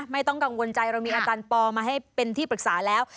ไม่ต้องกังวลใจเรามีอาจารย์ปอมาให้เป็นที่ปรึกษาแล้ว